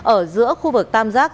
ở giữa khu vực tam rác